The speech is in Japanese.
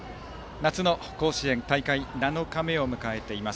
夏の甲子園大会７日目を迎えています。